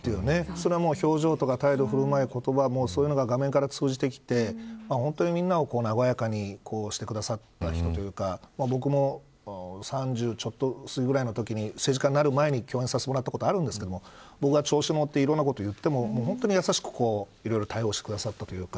それは表情とか態度、振る舞い、言葉そういうのが画面から通じてきて皆を和やかにしてくださった人というか僕も３０ちょっとすぎくらいのときに政治家になる前に共演させてもらったことがあるんですけど僕が調子に乗っていろんなことを言っても優しくいろいろ対応してくださったというか